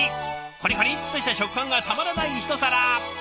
コリコリッとした食感がたまらない一皿。